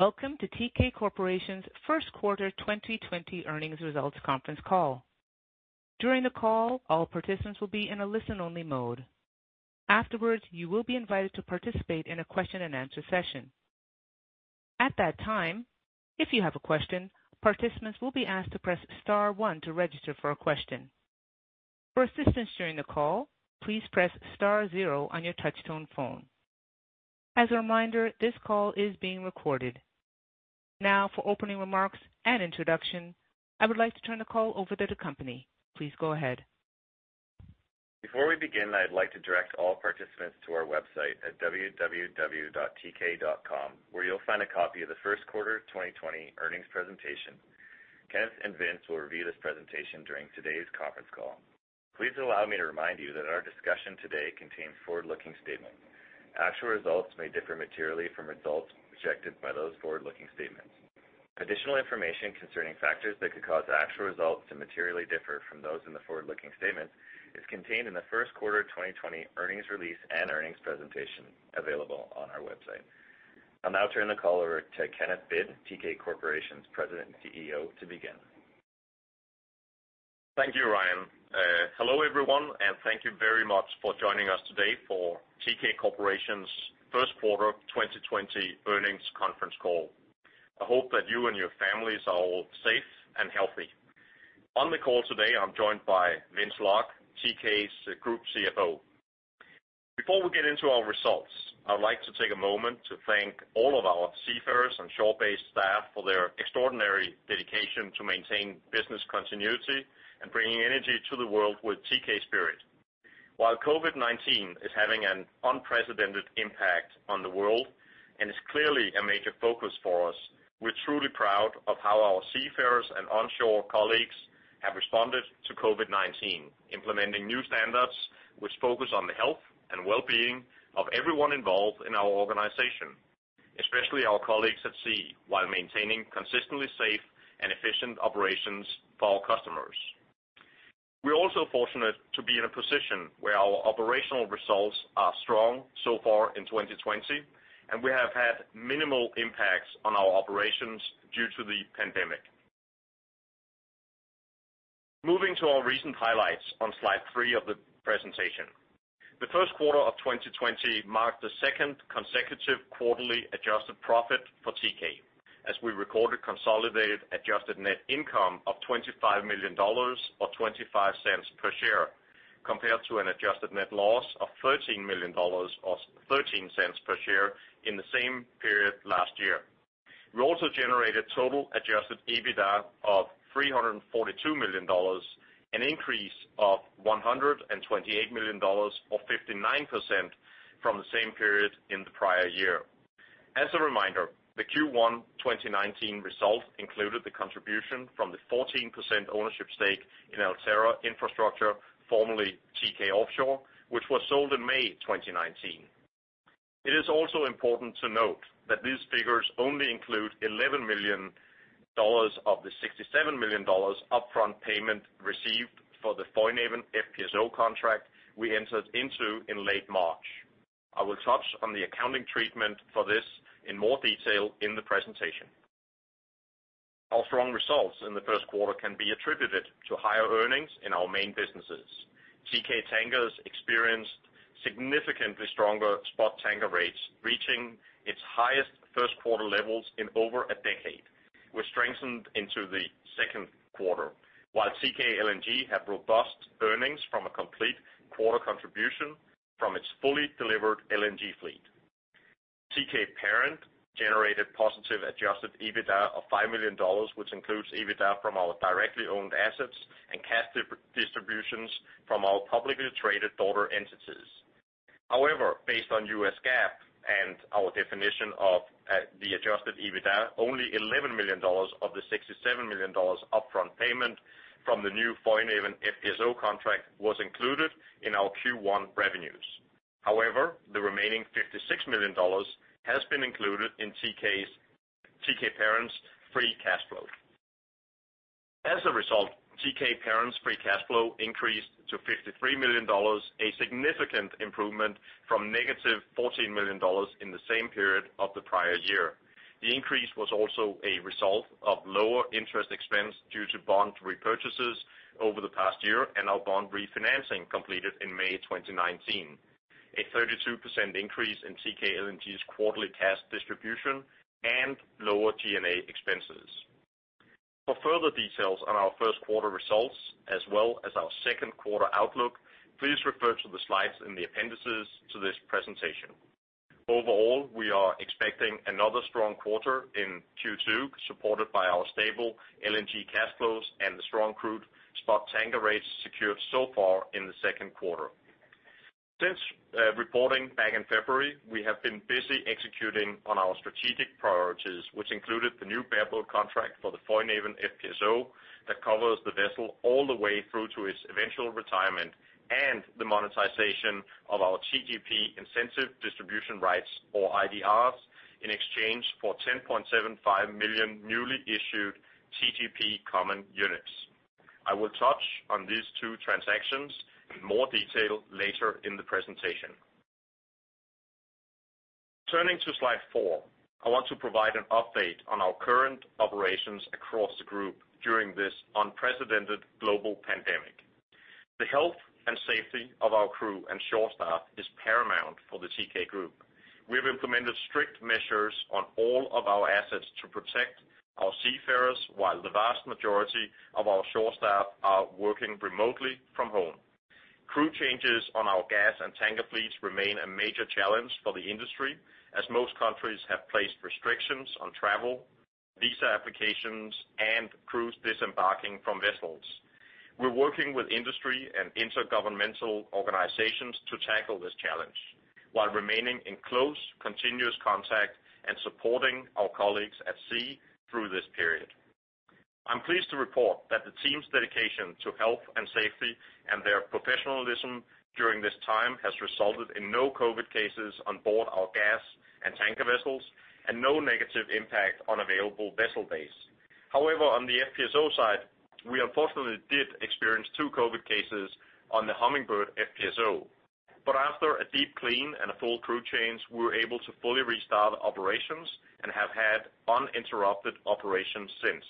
Welcome to Teekay Corporation's first quarter 2020 earnings results conference call. During the call, all participants will be in a listen-only mode. Afterwards, you will be invited to participate in a question-and-answer session. At that time, if you have a question, participants will be asked to press star, one to register for a question. For assistance during the call, please press star, zero on your touch-tone phone. As a reminder, this call is being recorded. Now, for opening remarks and introduction, I would like to turn the call over to the company. Please go ahead. Before we begin, I'd like to direct all participants to our website at www.teekay.com where you'll find a copy of the first quarter 2020 earnings presentation. Kenneth and Vince will review this presentation during today's conference call. Please allow me to remind you that our discussion today contains forward-looking statements. Actual results may differ materially from results projected by those forward-looking statements. Additional information concerning factors that could cause actual results to materially differ from those in the forward-looking statements is contained in the first quarter 2020 earnings release and earnings presentation available on our website. I'll now turn the call over to Kenneth Hvid, Teekay Corporation's President and CEO, to begin. Thank you, Ryan. Hello everyone, and thank you very much for joining us today for Teekay Corporation's first quarter 2020 earnings conference call. I hope that you and your families are all safe and healthy. On the call today, I'm joined by Vince Lok, Teekay's Group CFO. Before we get into our results, I would like to take a moment to thank all of our seafarers and shore-based staff for their extraordinary dedication to maintain business continuity and bringing energy to the world with Teekay spirit. While COVID-19 is having an unprecedented impact on the world and is clearly a major focus for us, we're truly proud of how our seafarers and onshore colleagues have responded to COVID-19, implementing new standards which focus on the health and wellbeing of everyone involved in our organization, especially our colleagues at sea, while maintaining consistently safe and efficient operations for our customers. We are also fortunate to be in a position where our operational results are strong so far in 2020, and we have had minimal impacts on our operations due to the pandemic. Moving to our recent highlights on slide three of the presentation. The first quarter of 2020 marked the second consecutive quarterly adjusted profit for Teekay, as we recorded consolidated adjusted net income of $25 million, or $0.25 per share, compared to an adjusted net loss of $13 million, or $0.13 per share in the same period last year. We also generated total adjusted EBITDA of $342 million, an increase of $128 million, or 59% from the same period in the prior year. As a reminder, the Q1 2019 results included the contribution from the 14% ownership stake in Altera Infrastructure, formerly Teekay Offshore, which was sold in May 2019. It is also important to note that these figures only include $11 million of the $67 million upfront payment received for the Foinaven FPSO contract we entered into in late March. I will touch on the accounting treatment for this in more detail in the presentation. Our strong results in the first quarter can be attributed to higher earnings in our main businesses. Teekay Tankers experienced significantly stronger spot tanker rates, reaching its highest first-quarter levels in over a decade, which strengthened into the second quarter, while Teekay LNG had robust earnings from a complete quarter contribution from its fully delivered LNG fleet. Teekay Parent generated positive adjusted EBITDA of $5 million, which includes EBITDA from our directly owned assets and cash distributions from our publicly traded daughter entities. However, based on U.S. GAAP and our definition of the adjusted EBITDA, only $11 million of the $67 million upfront payment from the new Foinaven FPSO contract was included in our Q1 revenues. However, the remaining $56 million has been included in Teekay Parent's free cash flow. As a result, Teekay Parent's free cash flow increased to $53 million, a significant improvement from $-14 million in the same period of the prior year. The increase was also a result of lower interest expense due to bond repurchases over the past year and our bond refinancing completed in May 2019, a 32% increase in Teekay LNG's quarterly cash distribution, and lower G&A expenses. For further details on our first quarter results, as well as our second quarter outlook, please refer to the slides in the appendices to this presentation. Overall, we are expecting another strong quarter in Q2, supported by our stable LNG cash flows and the strong crude spot tanker rates secured so far in the second quarter. Since reporting back in February, we have been busy executing on our strategic priorities, which included the new bareboat contract for the Foinaven FPSO that covers the vessel all the way through to its eventual retirement, and the monetization of our TGP Incentive Distribution Rights, or IDRs, in exchange for 10.75 million newly issued TGP common units. I will touch on these two transactions in more detail later in the presentation. Turning to slide four, I want to provide an update on our current operations across the group during this unprecedented global pandemic. The health and safety of our crew and shore staff is paramount for the Teekay Group. We have implemented strict measures on all of our assets to protect our seafarers, while the vast majority of our shore staff are working remotely from home. Crew changes on our gas and tanker fleets remain a major challenge for the industry, as most countries have placed restrictions on travel, visa applications, and crews disembarking from vessels. We're working with industry and intergovernmental organizations to tackle this challenge, while remaining in close, continuous contact and supporting our colleagues at sea through this period. I'm pleased to report that the team's dedication to health and safety, and their professionalism during this time, has resulted in no COVID cases on board our gas and tanker vessels, and no negative impact on available vessel base. On the FPSO side, we unfortunately did experience two COVID cases on the Hummingbird FPSO. After a deep clean and a full crew change, we were able to fully restart operations and have had uninterrupted operations since.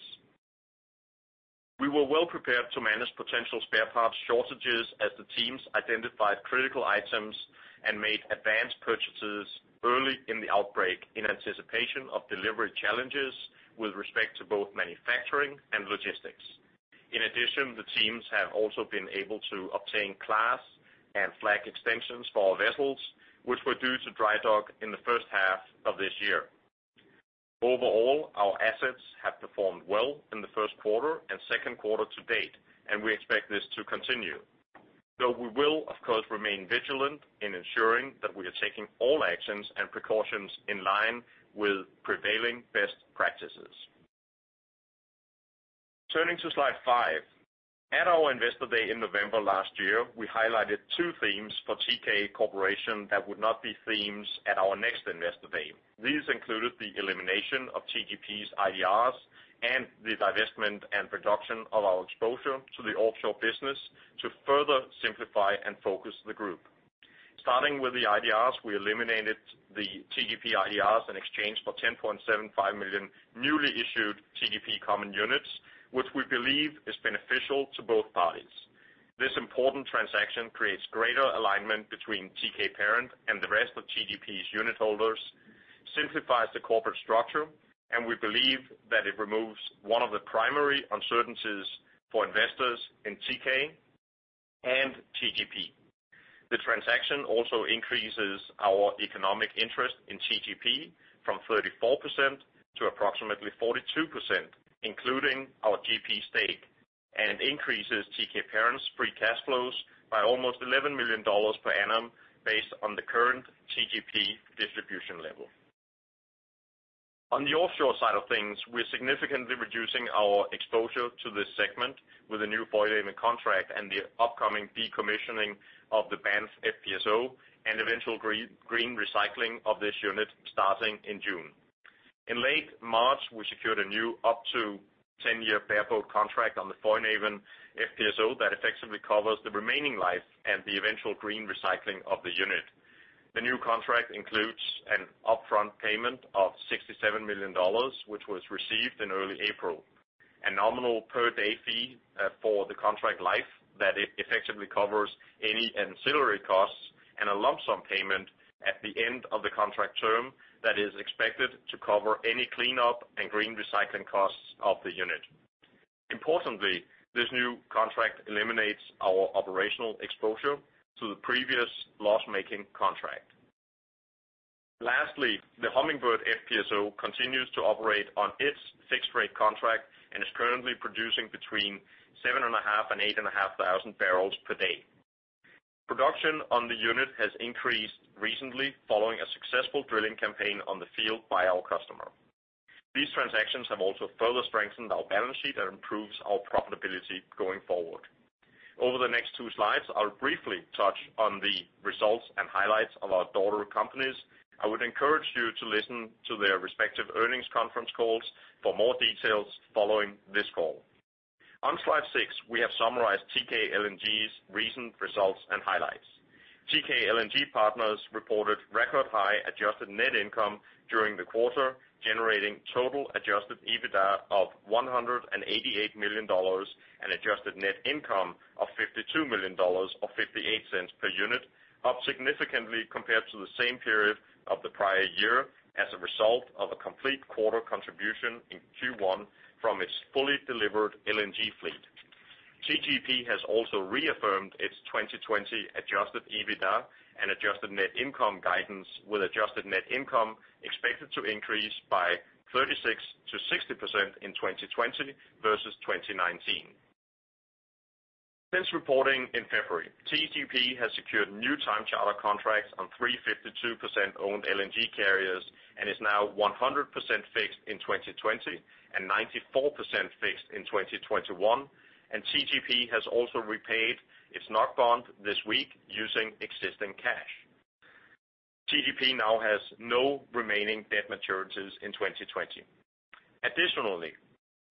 We were well prepared to manage potential spare parts shortages as the teams identified critical items and made advanced purchases early in the outbreak in anticipation of delivery challenges with respect to both manufacturing and logistics. In addition, the teams have also been able to obtain class and flag extensions for our vessels, which were due to dry dock in the first half of this year. Overall, our assets have performed well in the first quarter and second quarter to date, and we expect this to continue. We will, of course, remain vigilant in ensuring that we are taking all actions and precautions in line with prevailing best practices. Turning to slide five. At our Investor Day in November last year, we highlighted two themes for Teekay Corporation that would not be themes at our next Investor Day. These included the elimination of TGP's IDRs, and the divestment and reduction of our exposure to the offshore business to further simplify and focus the group. Starting with the IDRs, we eliminated the TGP IDRs in exchange for 10.75 million newly issued TGP common units, which we believe is beneficial to both parties. This important transaction creates greater alignment between Teekay Parent and the rest of TGP's unitholders, simplifies the corporate structure, and we believe that it removes one of the primary uncertainties for investors in Teekay and TGP. The transaction also increases our economic interest in TGP from 34% to approximately 42%, including our GP stake, and increases Teekay Parent's free cash flows by almost $11 million per annum, based on the current TGP distribution level. On the offshore side of things, we're significantly reducing our exposure to this segment with a new Foinaven contract and the upcoming decommissioning of the Banff FPSO, and eventual green recycling of this unit starting in June. In late March, we secured a new up to 10-year bareboat contract on the Foinaven FPSO that effectively covers the remaining life and the eventual green recycling of the unit. The new contract includes an upfront payment of $67 million, which was received in early April, a nominal per-day fee for the contract life that effectively covers any ancillary costs, and a lump sum payment at the end of the contract term that is expected to cover any cleanup and green recycling costs of the unit. Importantly, this new contract eliminates our operational exposure to the previous loss-making contract. Lastly, the Hummingbird FPSO continues to operate on its fixed-rate contract and is currently producing between 7,500 and 8,500 barrels per day. Production on the unit has increased recently following a successful drilling campaign on the field by our customer. These transactions have also further strengthened our balance sheet and improves our profitability going forward. Over the next two slides, I'll briefly touch on the results and highlights of our daughter companies. I would encourage you to listen to their respective earnings conference calls for more details following this call. On slide six, we have summarized Teekay LNG's recent results and highlights. Teekay LNG Partners reported record-high adjusted net income during the quarter, generating total adjusted EBITDA of $188 million and adjusted net income of $52 million, or $0.58 per unit, up significantly compared to the same period of the prior year as a result of a complete quarter contribution in Q1 from its fully delivered LNG fleet. TGP has also reaffirmed its 2020 adjusted EBITDA and adjusted net income guidance, with adjusted net income expected to increase by 36%-60% in 2020 versus 2019. Since reporting in February, TGP has secured new time charter contracts on three 52% owned LNG carriers and is now 100% fixed in 2020 and 94% fixed in 2021. TGP has also repaid its NOK bond this week using existing cash. TGP now has no remaining debt maturities in 2020. Additionally,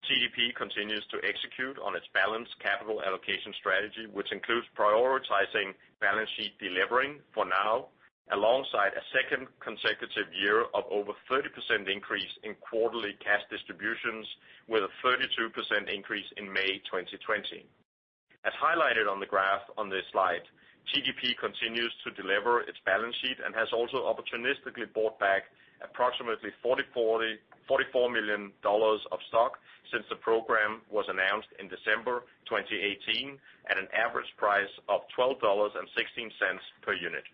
TGP continues to execute on its balanced capital allocation strategy, which includes prioritizing balance sheet de-levering for now, alongside a second consecutive year of over 30% increase in quarterly cash distributions, with a 32% increase in May 2020. As highlighted on the graph on this slide, TGP continues to deliver its balance sheet and has also opportunistically bought back approximately $44 million of stock since the program was announced in December 2018, at an average price of $12.16 per unit.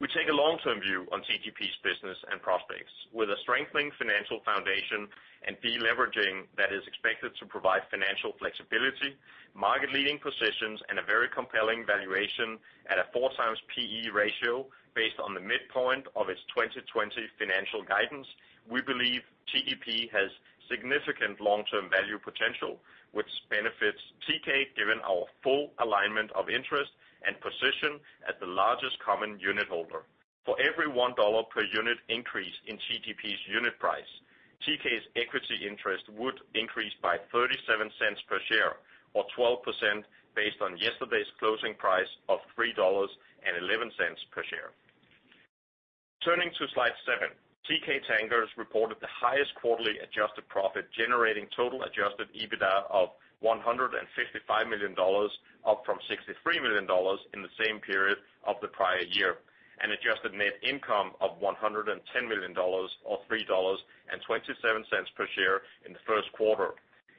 We take a long-term view on TGP's business and prospects. With a strengthening financial foundation and de-leveraging that is expected to provide financial flexibility, market-leading positions, and a very compelling valuation at a 4x P/E ratio based on the midpoint of its 2020 financial guidance. We believe TGP has significant long-term value potential, which benefits Teekay given our full alignment of interest and position as the largest common unit holder. For every $1 per unit increase in TGP's unit price, Teekay's equity interest would increase by $0.37 per share or 12%, based on yesterday's closing price of $3.11 per share. Turning to slide seven. Teekay Tankers reported the highest quarterly adjusted profit, generating total adjusted EBITDA of $155 million, up from $63 million in the same period of the prior year, and adjusted net income of $110 million or $3.27 per share in the first quarter,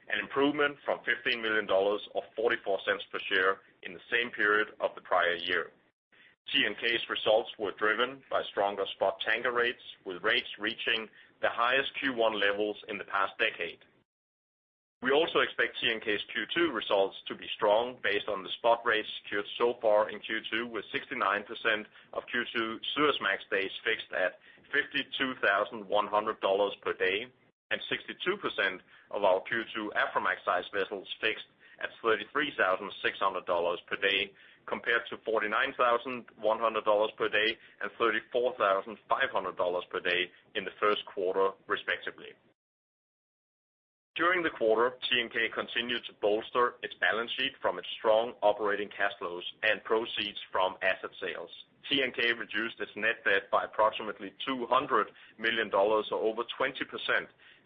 an improvement from $15 million or $0.44 per share in the same period of the prior year. TNK's results were driven by stronger spot tanker rates, with rates reaching the highest Q1 levels in the past decade. We also expect TNK's Q2 results to be strong based on the spot rates secured so far in Q2, with 69% of Q2 Suezmax days fixed at $52,100 per day and 62% of our Q2 Aframax size vessels fixed at $33,600 per day compared to $49,100 per day and $34,500 per day in the first quarter, respectively. During the quarter, TNK continued to bolster its balance sheet from its strong operating cash flows and proceeds from asset sales. TNK reduced its net debt by approximately $200 million or over 20%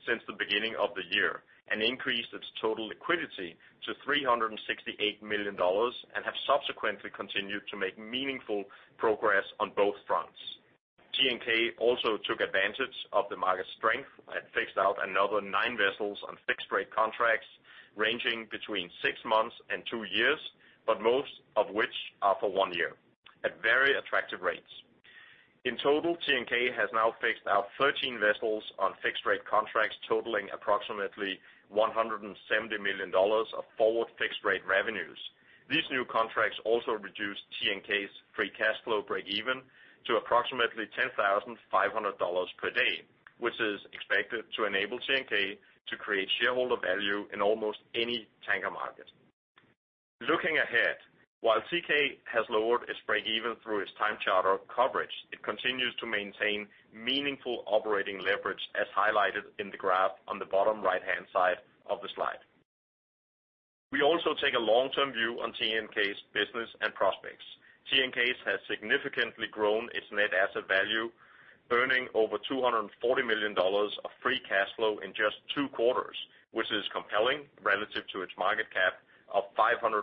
since the beginning of the year and increased its total liquidity to $368 million and have subsequently continued to make meaningful progress on both fronts. TNK also took advantage of the market strength and fixed out another nine vessels on fixed rate contracts ranging between six months and two years, but most of which are for one year at very attractive rates. In total, TNK has now fixed out 13 vessels on fixed rate contracts totaling approximately $170 million of forward fixed rate revenues. These new contracts also reduced TNK's free cash flow break even to approximately $10,500 per day, which is expected to enable TNK to create shareholder value in almost any tanker market. Looking ahead, while Teekay has lowered its break even through its time charter coverage, it continues to maintain meaningful operating leverage, as highlighted in the graph on the bottom right-hand side of the slide. We also take a long-term view on TNK's business and prospects. TNK has significantly grown its net asset value, earning over $240 million of free cash flow in just two quarters, which is compelling relative to its market cap of $540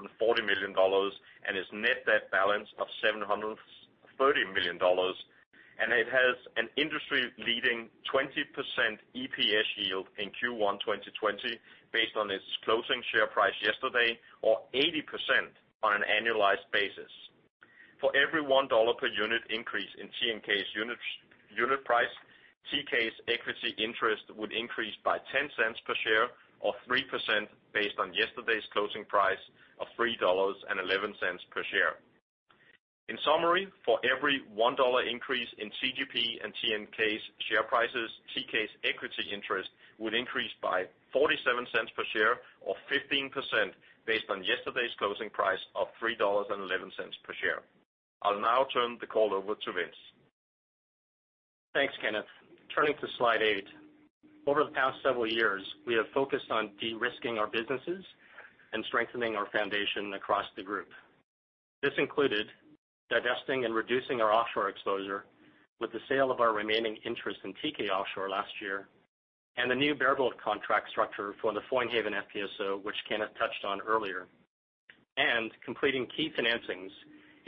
million and its net debt balance of $730 million. It has an industry-leading 20% EPS yield in Q1 2020 based on its closing share price yesterday, or 80% on an annualized basis. For every $1 per unit increase in TNK's unit price, Teekay's equity interest would increase by $0.10 per share or 3%, based on yesterday's closing price of $3.11 per share. In summary, for every $1 increase in TGP and TNK's share prices, Teekay's equity interest would increase by $0.47 per share or 15%, based on yesterday's closing price of $3.11 per share. I'll now turn the call over to Vince. Thanks, Kenneth. Turning to slide eight. Over the past several years, we have focused on de-risking our businesses and strengthening our foundation across the group. This included divesting and reducing our offshore exposure with the sale of our remaining interest in Teekay Offshore last year and the new bareboat contract structure for the Foinaven FPSO, which Kenneth touched on earlier, and completing key financings,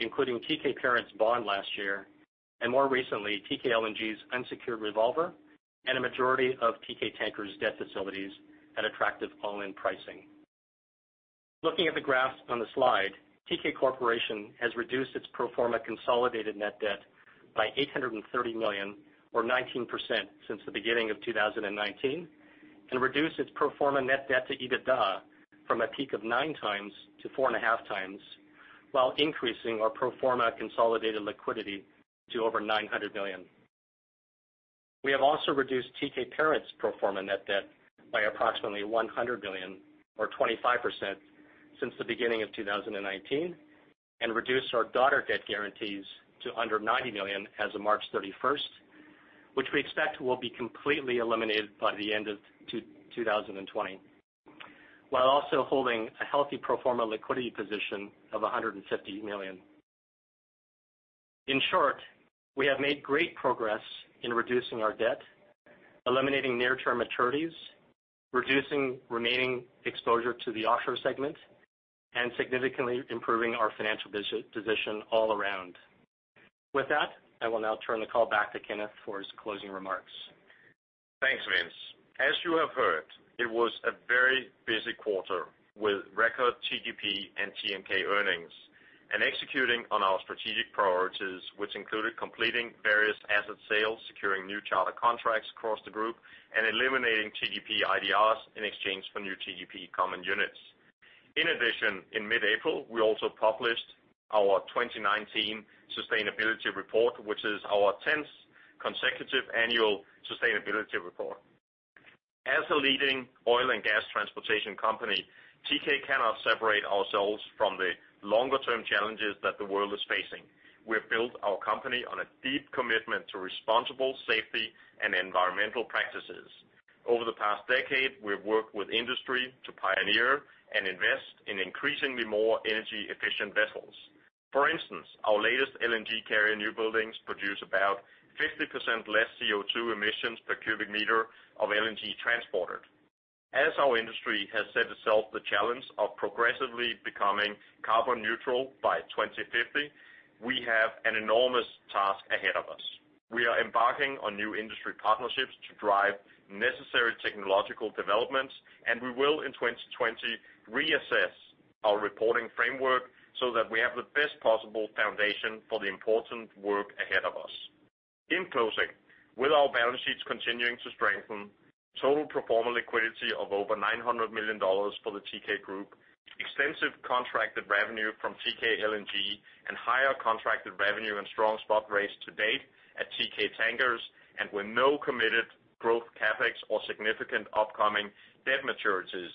including Teekay Parent's bond last year and more recently, Teekay LNG's unsecured revolver and a majority of Teekay Tankers' debt facilities at attractive all-in pricing. Looking at the graphs on the slide, Teekay Corporation has reduced its pro forma consolidated net debt by $830 million or 19% since the beginning of 2019, and reduced its pro forma net debt to EBITDA from a peak of 9x-4.5x, while increasing our pro forma consolidated liquidity to over $900 million. We have also reduced Teekay Parent's pro forma net debt by approximately $100 million or 25% since the beginning of 2019, and reduced our daughter debt guarantees to under $90 million as of March 31st, which we expect will be completely eliminated by the end of 2020, while also holding a healthy pro forma liquidity position of $150 million. In short, we have made great progress in reducing our debt, eliminating near-term maturities, reducing remaining exposure to the offshore segment, and significantly improving our financial position all around. With that, I will now turn the call back to Kenneth for his closing remarks. Thanks, Vince. As you have heard, it was a very busy quarter with record TGP and TNK earnings and executing on our strategic priorities, which included completing various asset sales, securing new charter contracts across the group, and eliminating TGP IDRs in exchange for new TGP common units. In addition, in mid-April, we also published our 2019 sustainability report, which is our 10th consecutive annual sustainability report. As a leading oil and gas transportation company, Teekay cannot separate ourselves from the longer-term challenges that the world is facing. We have built our company on a deep commitment to responsible safety and environmental practices. Over the past decade, we have worked with industry to pioneer and invest in increasingly more energy-efficient vessels. For instance, our latest LNG carrier new buildings produce about 50% less CO2 emissions per cubic meter of LNG transported. As our industry has set itself the challenge of progressively becoming carbon neutral by 2050, we have an enormous task ahead of us. We are embarking on new industry partnerships to drive necessary technological developments, and we will in 2020, reassess our reporting framework so that we have the best possible foundation for the important work ahead of us. In closing, with our balance sheets continuing to strengthen, total pro forma liquidity of over $900 million for the Teekay group, extensive contracted revenue from Teekay LNG and higher contracted revenue and strong spot rates to date at Teekay Tankers, and with no committed growth CapEx or significant upcoming debt maturities,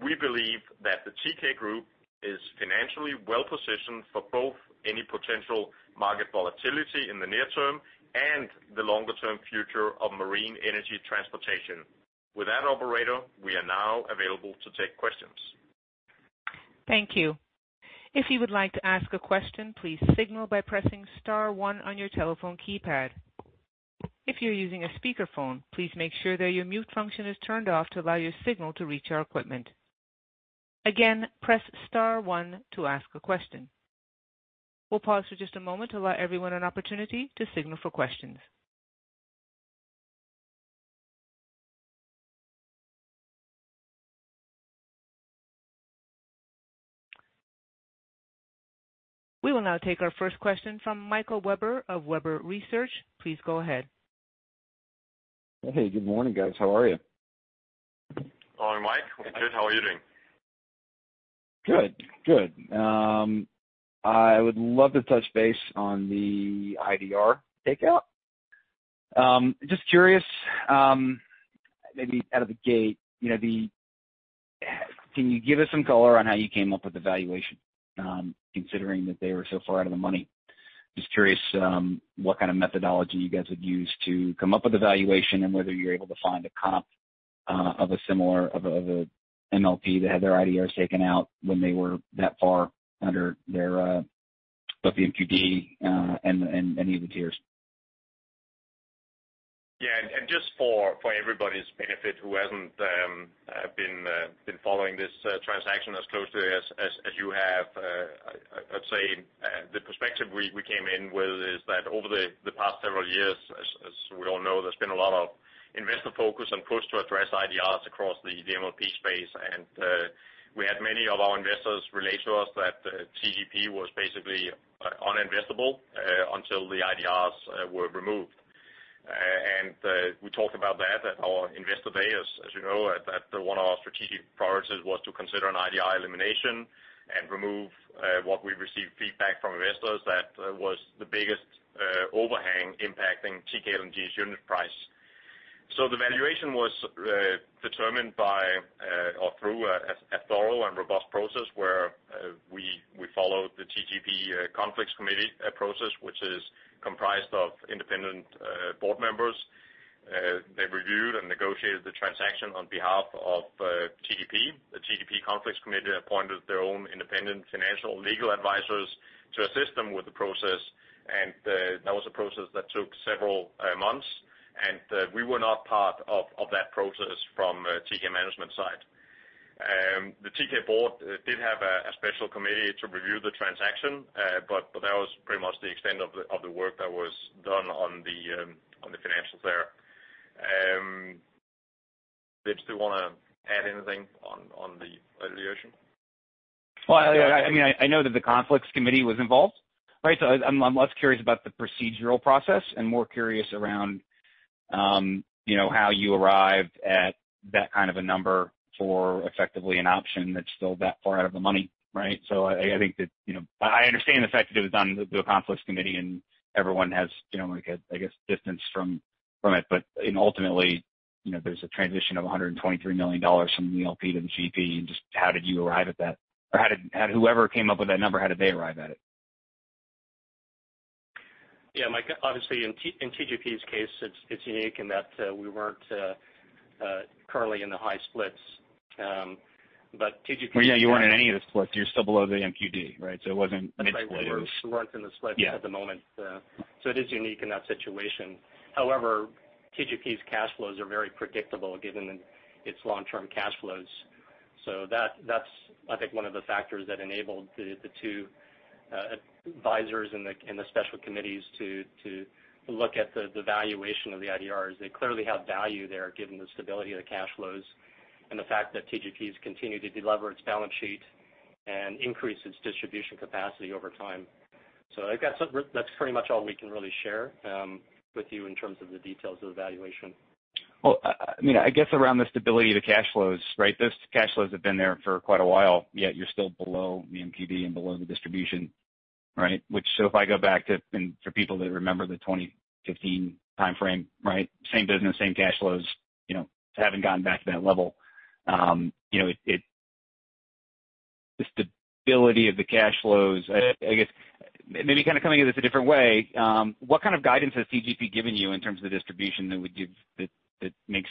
we believe that the Teekay group is financially well-positioned for both any potential market volatility in the near term and the longer-term future of marine energy transportation. With that, operator, we are now available to take questions. Thank you. If you would like to ask a question, please signal by pressing star, one on your telephone keypad. If you're using a speakerphone, please make sure that your mute function is turned off to allow your signal to reach our equipment. Again, press star, one to ask a question. We'll pause for just a moment to allow everyone an opportunity to signal for questions. We will now take our first question from Michael Webber of Webber Research. Please go ahead. Hey, good morning, guys. How are you? Morning, Mike. We're good, how are you doing? Good. I would love to touch base on the IDR takeout. Just curious, maybe out of the gate, can you give us some color on how you came up with the valuation, considering that they were so far out of the money? Just curious what kind of methodology you guys would use to come up with a valuation and whether you're able to find a comp of a similar MLP that had their IDRs taken out when they were that far under their book value and even tiers. Yeah, just for everybody's benefit who hasn't been following this transaction as closely as you have. I'd say the perspective we came in with is that over the past several years, as we all know, there's been a lot of investor focus and push to address IDRs across the MLP space. We had many of our investors relate to us that TGP was basically uninvestable until the IDRs were removed. We talked about that at our investor day, as you know, that one of our strategic priorities was to consider an IDR elimination and remove what we received feedback from investors that was the biggest overhang impacting Teekay LNG's unit price. The valuation was determined through a thorough and robust process where we followed the TGP Conflicts Committee process, which is comprised of independent board members. They reviewed and negotiated the transaction on behalf of TGP. The TGP Conflicts Committee appointed their own independent financial legal advisors to assist them with the process, and that was a process that took several months, and we were not part of that process from Teekay management side. The Teekay board did have a special committee to review the transaction, but that was pretty much the extent of the work that was done on the financials there. Did you still want to add anything on the valuation? Well, I know that the Conflicts Committee was involved, right? I'm less curious about the procedural process and more curious around how you arrived at that kind of a number for effectively an option that's still that far out of the money, right? I think that I understand the fact that it was done through a Conflicts Committee and everyone has, I guess, distance from it. Ultimately, there's a transition of $123 million from the MLP to the GP, and just how did you arrive at that? Whoever came up with that number, how did they arrive at it? Yeah, Mike, obviously in TGP's case, it's unique in that we weren't currently in the high splits. TGP- Well, yeah, you weren't in any of the splits. You're still below the MQD, right? It wasn't an interplay. That's right. We weren't in the splits at the moment. Yeah. It is unique in that situation. However, TGP's cash flows are very predictable given its long-term cash flows. That's, I think, one of the factors that enabled the two advisors and the special committees to look at the valuation of the IDRs. They clearly have value there given the stability of the cash flows and the fact that TGP has continued to de-lever its balance sheet and increase its distribution capacity over time. That's pretty much all we can really share with you in terms of the details of the valuation. Well, I guess around the stability of the cash flows, right? Those cash flows have been there for quite a while, yet you're still below the MQD and below the distribution, right? If I go back to, for people that remember the 2015 timeframe, right? Same business, same cash flows, haven't gotten back to that level. The stability of the cash flows, I guess maybe kind of coming at this a different way, what kind of guidance has TGP given you in terms of the distribution that makes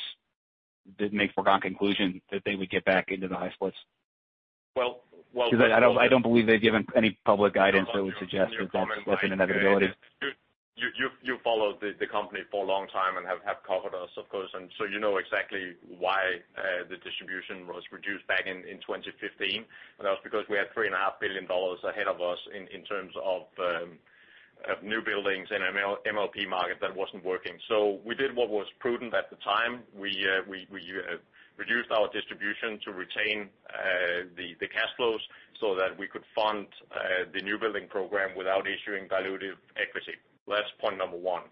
for a conclusion that they would get back into the high splits? Well- I don't believe they've given any public guidance that would suggest that that's an inevitability. You've followed the company for a long time and have covered us, of course, and you know exactly why the distribution was reduced back in 2015. That was because we had $3.5 billion ahead of us in terms of new buildings in an MLP market that wasn't working. We did what was prudent at the time. We reduced our distribution to retain the cash flows so that we could fund the new building program without issuing dilutive equity. That's point number one.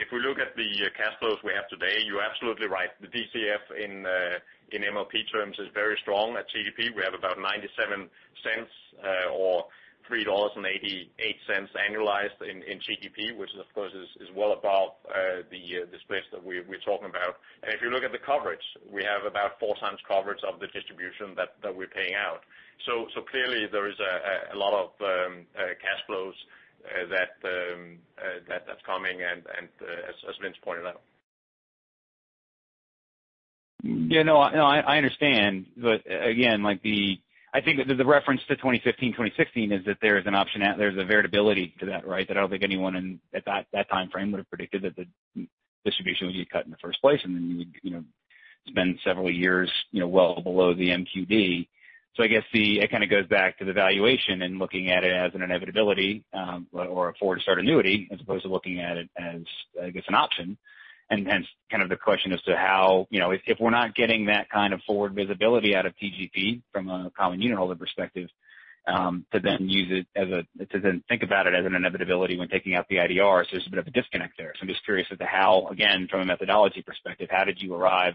If we look at the cash flows we have today, you're absolutely right. The DCF in MLP terms is very strong. At TGP, we have about $0.97 or $3.88 annualized in TGP, which of course, is well above the splits that we're talking about. If you look at the coverage, we have about 4x coverage of the distribution that we're paying out. Clearly, there is a lot of cash flows that's coming, as Vince pointed out. Yeah, no, I understand. Again, I think the reference to 2015, 2016 is that there's an option out, there's a variability to that, right? That I don't think anyone at that timeframe would've predicted that the distribution would get cut in the first place, and then you would spend several years well below the MQD. I guess it kind of goes back to the valuation and looking at it as an inevitability or a forward start annuity, as opposed to looking at it as, I guess, an option. Hence kind of the question as to how, if we're not getting that kind of forward visibility out of TGP from a common unitholder perspective, to then think about it as an inevitability when taking out the IDR. There's a bit of a disconnect there. I'm just curious as to how, again, from a methodology perspective, how did you arrive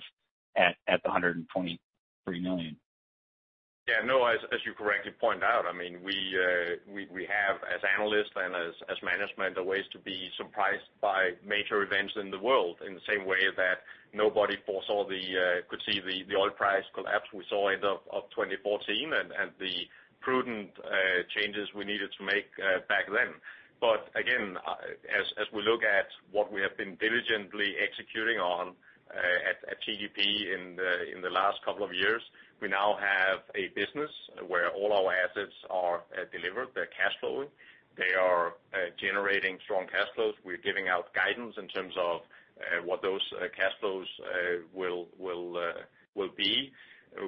at the $123 million? Yeah, no, as you correctly point out, we have, as analysts and as management, a ways to be surprised by major events in the world in the same way that nobody could see the oil price collapse we saw end of 2014 and the prudent changes we needed to make back then. As we look at what we have been diligently executing on at TGP in the last couple of years, we now have a business where all our assets are delivered. They're cash flowing, they are generating strong cash flows, we're giving out guidance in terms of what those cash flows will be,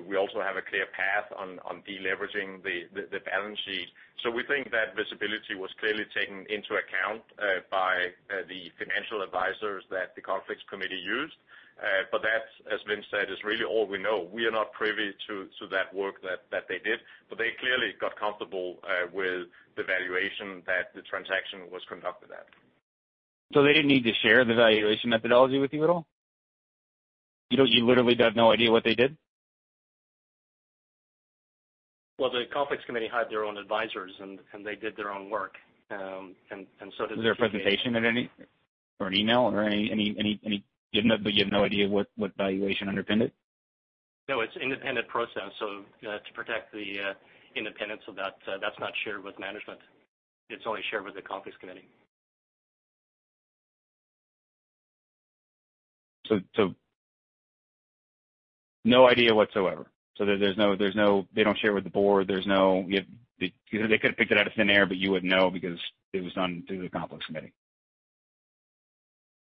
we also have a clear path on de-leveraging the balance sheet. We think that visibility was clearly taken into account by the financial advisors that the Conflicts Committee used. That, as Vince said, is really all we know. We are not privy to that work that they did, but they clearly got comfortable with the valuation that the transaction was conducted at. They didn't need to share the valuation methodology with you at all? You literally have no idea what they did? Well, the Conflicts Committee hired their own advisors, and they did their own work. So did TGP. Was there a presentation or an email or any But you have no idea what valuation underpinned it? No, it's an independent process, so to protect the independence of that's not shared with management. It's only shared with the Conflicts Committee. No idea whatsoever. They don't share with the board? They could've picked it out of thin air, but you wouldn't know because it was done through the Conflicts Committee,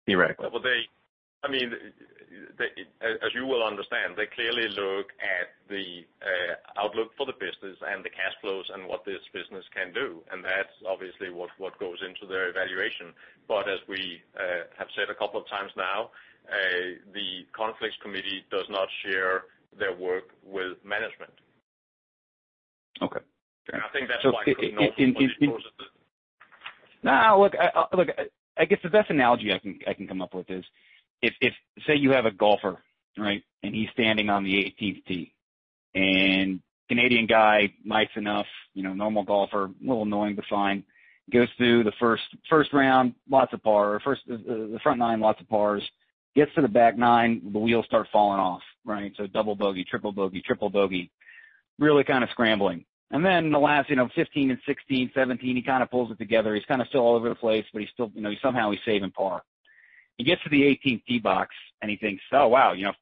theoretically. As you well understand, they clearly look at the outlook for the business and the cash flows and what this business can do. That's obviously what goes into their evaluation. As we have said a couple of times now, the Conflicts Committee does not share their work with management. Okay. Fair enough. I think that's why, Vince, also. No, look, I guess the best analogy I can come up with is, say you have a golfer, right? He's standing on the 18th tee. Canadian guy, nice enough, normal golfer, a little annoying, but fine. Goes through the first round, lots of par. The front nine, lots of pars. Gets to the back nine, the wheels start falling off, right? Double bogey, triple bogey, triple bogey. Really kind of scrambling. The last 15 and 16, 17, he kind of pulls it together. He's kind of still all over the place, but he's still somehow he's saving par. He gets to the 18th tee box and he thinks, "Oh, wow, if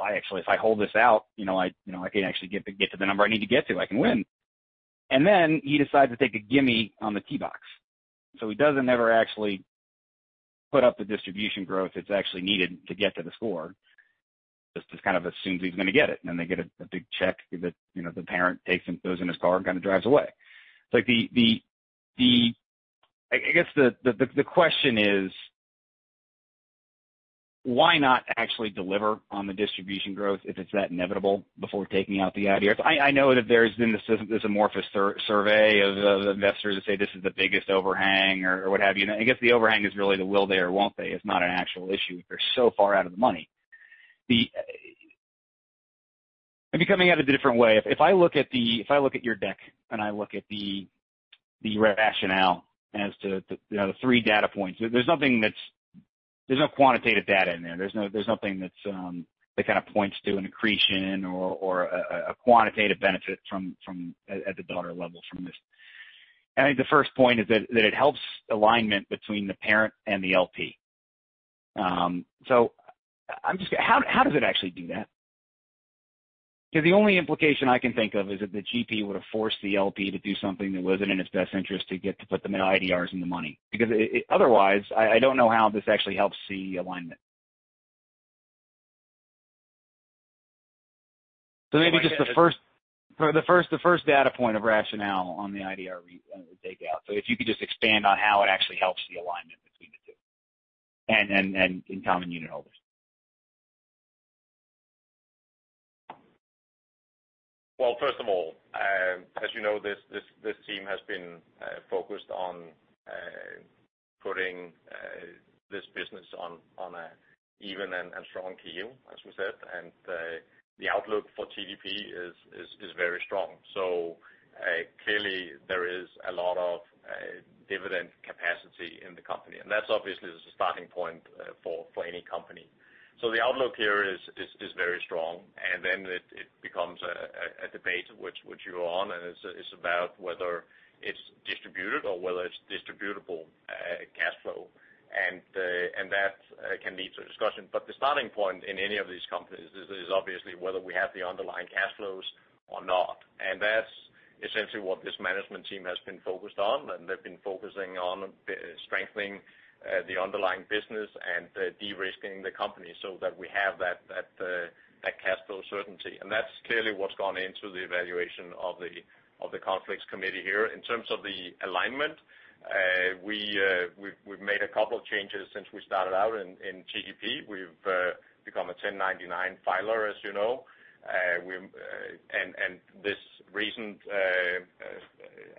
I hold this out, I can actually get to the number I need to get to. I can win." He decides to take a gimme on the tee box. He doesn't ever actually put up the distribution growth that's actually needed to get to the score. Just kind of assumes he's going to get it, then they get a big check that the parent takes and goes in his car and kind of drives away. I guess the question is, why not actually deliver on the distribution growth if it's that inevitable before taking out the IDRs? I know that there's been this amorphous survey of investors that say this is the biggest overhang or what have you, I guess the overhang is really the will they or won't they. It's not an actual issue, they're so far out of the money. Maybe coming at it a different way. If I look at your deck and I look at the rationale as to the three data points, there's no quantitative data in there. There's nothing that kind of points to an accretion or a quantitative benefit at the daughter level from this. I think the first point is that it helps alignment between the parent and the LP. How does it actually do that? The only implication I can think is if the GP were to force the LP to do something that wasn't in its best interest to get to put the IDRs in the money. Otherwise, I don't know how this actually helps the alignment. Maybe just the first data point of rationale on the IDR takeout. If you could just expand on how it actually helps the alignment between the two, and in common unit holders. First of all, as you know, this team has been focused on putting this business on an even and strong keel, as we said. The outlook for TGP is very strong. Clearly there is a lot of dividend capacity in the company, and that's obviously the starting point for any company. Then it becomes a debate, which you are on, and it's about whether it's distributed or whether it's distributable cash flow. That can lead to a discussion. The starting point in any of these companies is obviously whether we have the underlying cash flows or not. That's essentially what this management team has been focused on, and they've been focusing on strengthening the underlying business and de-risking the company so that we have that cash flow certainty. That's clearly what's gone into the evaluation of the Conflicts Committee here. In terms of the alignment, we've made a couple of changes since we started out in TGP. We've become a 1099 filer, as you know. This recent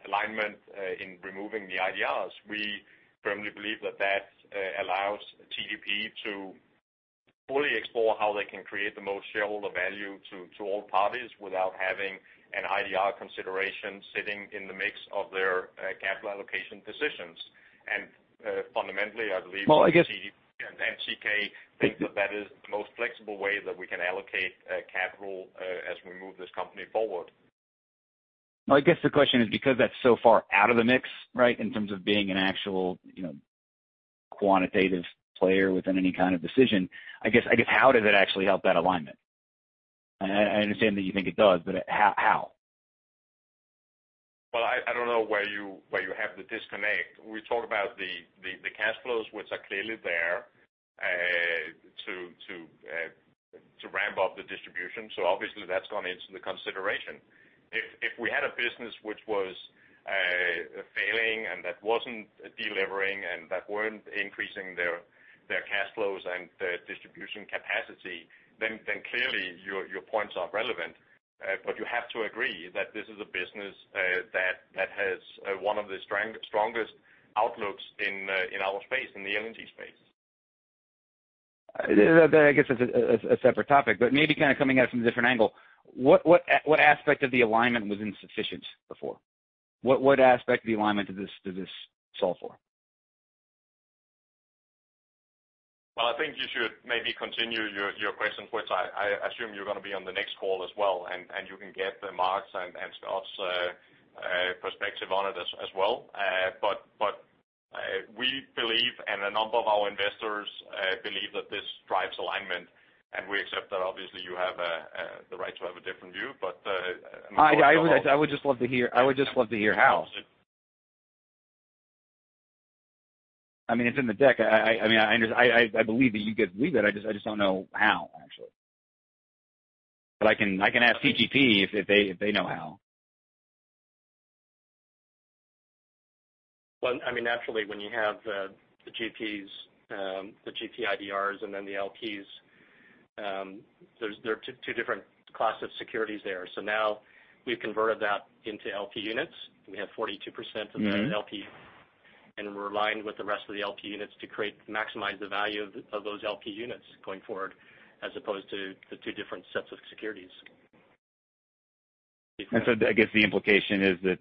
alignment in removing the IDRs, we firmly believe that allows TGP to fully explore how they can create the most shareholder value to all parties without having an IDR consideration sitting in the mix of their capital allocation decisions. Well, I guess- TGP and Teekay think that that is the most flexible way that we can allocate capital as we move this company forward. No, I guess the question is because that's so far out of the mix, right, in terms of being an actual quantitative player within any kind of decision. I guess how does it actually help that alignment? I understand that you think it does, but how? I don't know where you have the disconnect. We talk about the cash flows, which are clearly there to ramp up the distribution. Obviously that's gone into the consideration. If we had a business which was failing and that wasn't delivering, and that weren't increasing their cash flows and their distribution capacity, then clearly your points are relevant. You have to agree that this is a business that has one of the strongest outlooks in our space, in the LNG space. That I guess is a separate topic, but maybe kind of coming at it from a different angle. What aspect of the alignment was insufficient before? What aspect of the alignment does this solve for? Well, I think you should maybe continue your questions, which I assume you're going to be on the next call as well, and you can get Mark's and Scott's perspective on it as well. We believe, and a number of our investors believe, that this drives alignment, and we accept that obviously you have the right to have a different view. I would just love to hear how. I mean, it's in the deck, I believe that you could believe it. I just don't know how, actually. I can ask TGP if they know how. Naturally when you have the GP IDRs and then the LPs, there are two different class of securities there. Now we've converted that into LP units, and we have 42% of the LP. We're aligned with the rest of the LP units to maximize the value of those LP units going forward, as opposed to the two different sets of securities. I guess the implication is that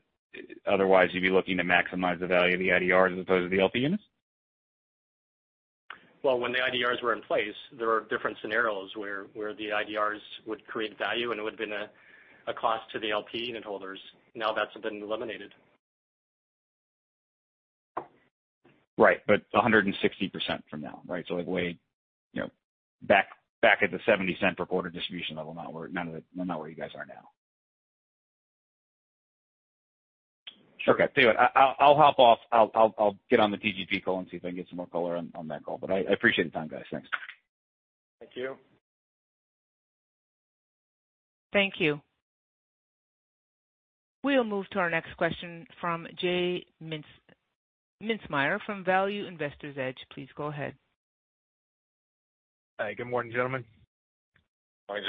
otherwise you'd be looking to maximize the value of the IDRs as opposed to the LP units? Well, when the IDRs were in place, there are different scenarios where the IDRs would create value, and it would have been a cost to the LP unit holders. Now that's been eliminated. Right. 160% from now, right? Back at the $0.70 per quarter distribution level now. Not where you guys are now. Okay. Tell you what, I'll hop off. I'll get on the TGP call and see if I can get some more color on that call. I appreciate the time, guys. Thanks. Thank you. Thank you. We'll move to our next question from J Mintzmyer from Value Investor's Edge. Please go ahead. Hi, good morning gentlemen. Morning,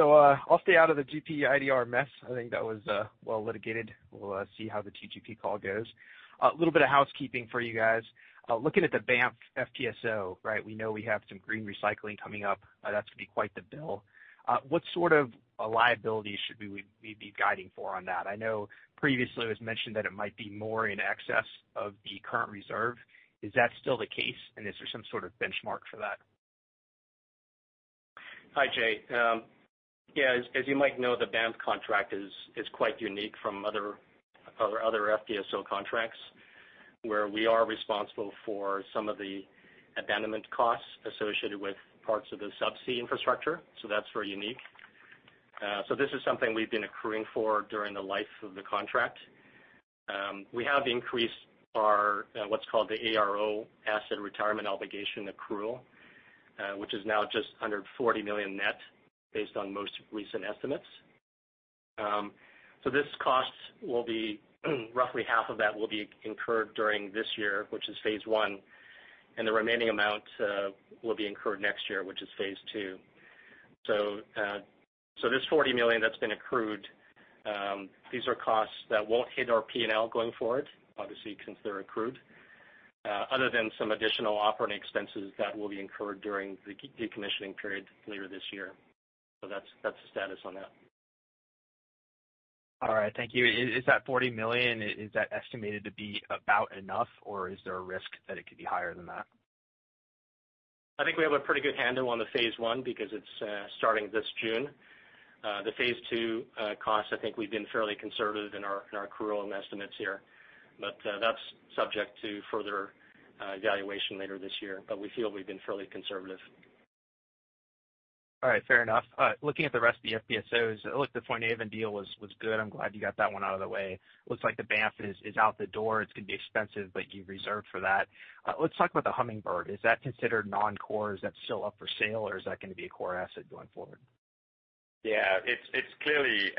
J. I'll stay out of the GP IDR mess. I think that was well litigated, we'll see how the TGP call goes. A little bit of housekeeping for you guys. Looking at the Banff FPSO, we know we have some green recycling coming up. That's going to be quite the bill. What sort of a liability should we be guiding for on that? I know previously it was mentioned that it might be more in excess of the current reserve. Is that still the case? Is there some sort of benchmark for that? Hi, J. Yeah, as you might know, the Banff contract is quite unique from other FPSO contracts, where we are responsible for some of the abandonment costs associated with parts of the subsea infrastructure. That's very unique. This is something we've been accruing for during the life of the contract. We have increased our what's called the ARO, asset retirement obligation accrual, which is now just under $40 million net based on most recent estimates. This cost, half of that will be incurred during this year, which is phase I, and the remaining amount will be incurred next year, which is phase II. This $40 million that's been accrued, these are costs that won't hit our P&L going forward, obviously, since they're accrued, other than some additional operating expenses that will be incurred during the decommissioning period later this year. That's the status on that. All right, thank you. Is that $40 million, is that estimated to be about enough, or is there a risk that it could be higher than that? I think we have a pretty good handle on the phase I because it's starting this June. The phase II costs, I think we've been fairly conservative in our accrual and estimates here. That's subject to further evaluation later this year. We feel we've been fairly conservative. All right, fair enough. Looking at the rest of the FPSOs, it looked the Foinaven deal was good. I'm glad you got that one out of the way. Looks like the Banff is out the door, it's going to be expensive, but you've reserved for that. Let's talk about the Hummingbird, is that considered non-core? Is that still up for sale, or is that going to be a core asset going forward? It's clearly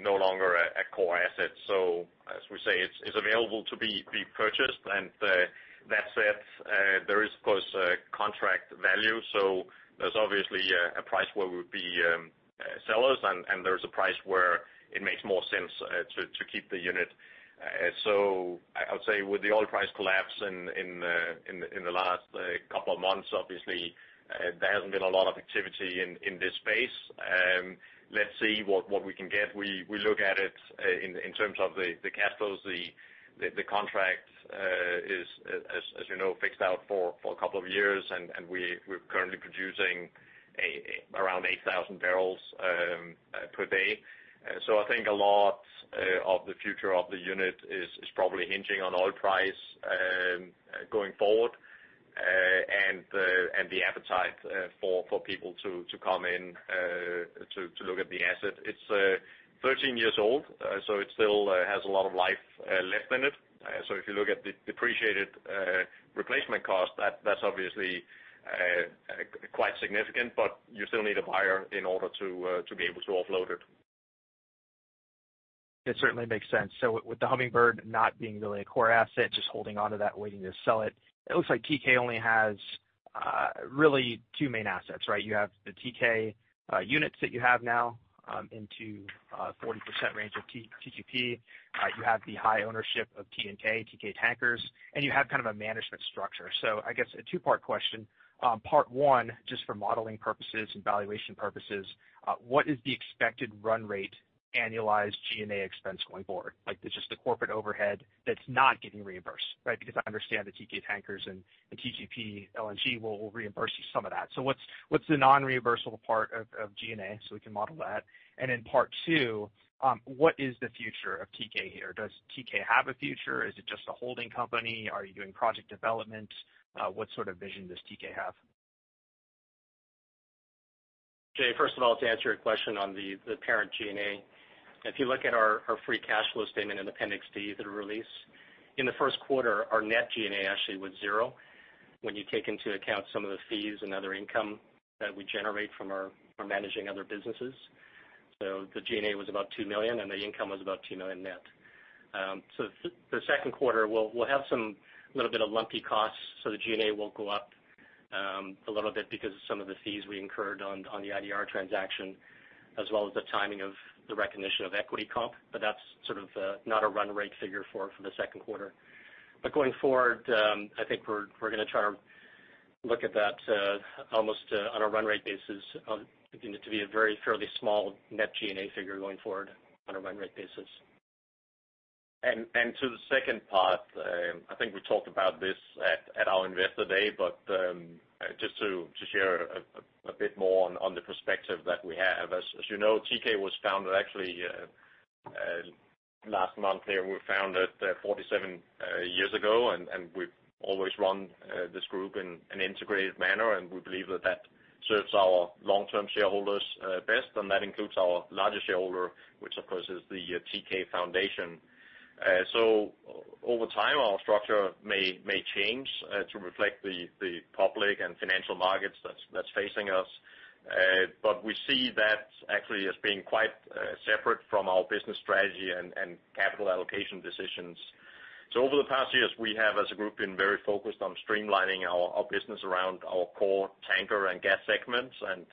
no longer a core asset. As we say, it's available to be purchased. That said, there is, of course, contract value. There's obviously a price where we would be sellers, and there's a price where it makes more sense to keep the unit. I would say with the oil price collapse in the last couple of months, obviously, there hasn't been a lot of activity in this space. Let's see what we can get, we look at it in terms of the cash flows. The contract is, as you know, fixed out for a couple of years, and we're currently producing around 8,000 barrels per day. I think a lot of the future of the unit is probably hinging on oil price going forward, and the appetite for people to come in to look at the asset. It's 13 years old, so it still has a lot of life left in it. If you look at the depreciated replacement cost, that's obviously quite significant, but you still need a buyer in order to be able to offload it. It certainly makes sense. With the Hummingbird not being really a core asset, just holding onto that, waiting to sell it looks like Teekay only has really two main assets, right? You have the Teekay units that you have now into 40% range of TGP, you have the high ownership of TNK, Teekay Tankers, and you have kind of a management structure. I guess a two-part question. Part one, just for modeling purposes and valuation purposes, what is the expected run rate annualized G&A expense going forward? Like, just the corporate overhead that's not getting reimbursed, right? Because I understand the Teekay Tankers and TGP LNG will reimburse you some of that. What's the non-reimbursable part of G&A so we can model that? Then part two, what is the future of Teekay here? Does Teekay have a future? Is it just a holding company? Are you doing project development? What sort of vision does Teekay have? J, first of all, to answer your question on the parent G&A, if you look at our free cash flow statement in Appendix D of the release, in the first quarter, our net G&A actually was zero. When you take into account some of the fees and other income that we generate from our managing other businesses. The G&A was about $2 million, and the income was about $2 million net. The second quarter, we'll have some little bit of lumpy costs, the G&A will go up. A little bit because of some of the fees we incurred on the IDR transaction, as well as the timing of the recognition of equity comp. That's not a run rate figure for the second quarter. Going forward, I think we're going to try to look at that almost on a run rate basis, to be a very fairly small net G&A figure going forward on a run rate basis. To the second part, I think we talked about this at our Investor Day, but just to share a bit more on the perspective that we have. As you know, Teekay was founded actually last month here, we were founded 47 years ago, and we've always run this group in an integrated manner, and we believe that that serves our long-term shareholders best, and that includes our largest shareholder, which, of course, is the TK Foundation. Over time, our structure may change to reflect the public and financial markets that's facing us. We see that actually as being quite separate from our business strategy and capital allocation decisions. Over the past years, we have, as a group, been very focused on streamlining our business around our core tanker and gas segments and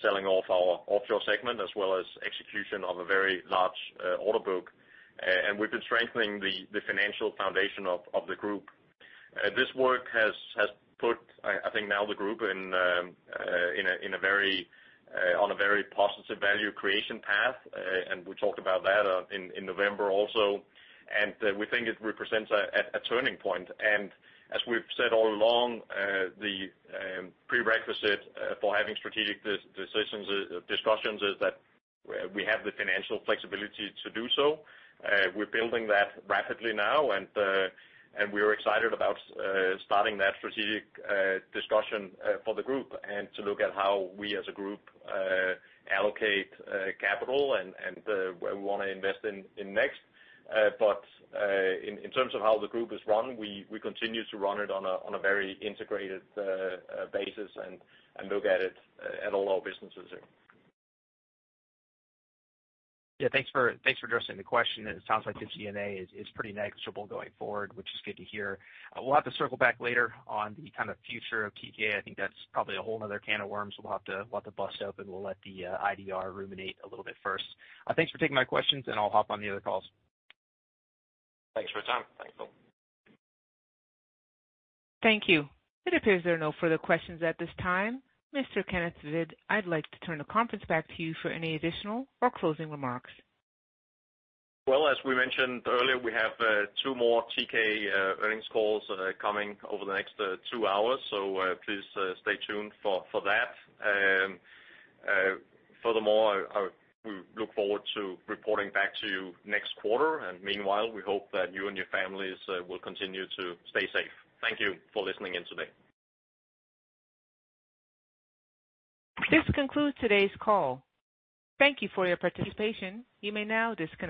selling off our offshore segment, as well as execution of a very large order book. We've been strengthening the financial foundation of the group. This work has put, I think, now the group on a very positive value creation path, and we talked about that in November also, and we think it represents a turning point. As we've said all along, the prerequisite for having strategic discussions is that we have the financial flexibility to do so. We're building that rapidly now, and we're excited about starting that strategic discussion for the group and to look at how we as a group allocate capital and where we want to invest in next. In terms of how the group is run, we continue to run it on a very integrated basis and look at it at all our businesses. Yeah, thanks for addressing the question. It sounds like the G&A is pretty negligible going forward, which is good to hear. We'll have to circle back later on the future of Teekay. I think that's probably a whole other can of worms, so we'll have to let that bust open. We'll let the IDR ruminate a little bit first. Thanks for taking my questions, and I'll hop on the other calls. Thanks for your time. Thanks, Hvid. Thank you. It appears there are no further questions at this time. Mr. Kenneth Hvid, I'd like to turn the conference back to you for any additional or closing remarks. Well, as we mentioned earlier, we have two more Teekay earnings calls coming over the next two hours, please stay tuned for that. Furthermore, we look forward to reporting back to you next quarter. Meanwhile, we hope that you and your families will continue to stay safe. Thank you for listening in today. This concludes today's call. Thank you for your participation, you may now disconnect.